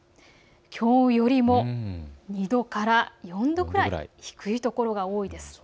きょうよりも２度から４度くらい低いところが多いです。